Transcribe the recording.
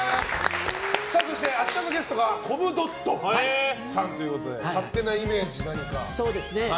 そして、明日のゲストはコムドットさんということで勝手なイメージ何かありますか？